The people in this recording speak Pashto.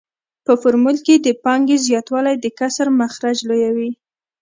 په فورمول کې د پانګې زیاتوالی د کسر مخرج لویوي